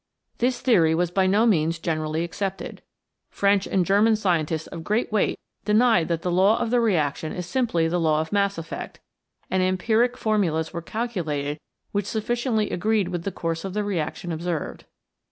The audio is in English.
This theory was by no means generally accepted. French and German scientists of great weight denied that the law of the reaction is simply the law of mass effect, and empiric formulas were calculated which sufficiently agreed with the course of reaction observed.